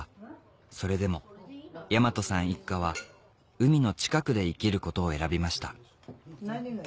それでも大和さん一家は海の近くで生きることを選びました